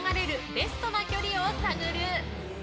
ベストな距離を探る。